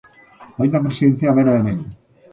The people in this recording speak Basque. Baita presidentea bera ere.